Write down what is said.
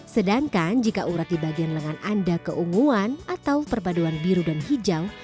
sedangkan jika urat di bagian lengan anda keunguan atau perpaduan biru dan hijau